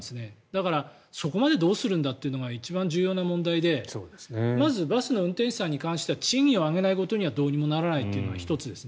だからそこまでどうするんだというのが一番重要な問題でまずバスの運転手さんに関しては賃金を上げないことにはどうにもならないというのが１つです。